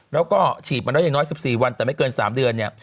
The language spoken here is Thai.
แล้วก็ฉีดมันได้อย่างน้อย๑๔วันแต่ไม่เกิน๓เดือน